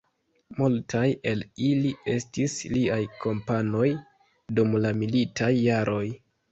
Multaj el ili estis liaj kompanoj dum la militaj jaroj.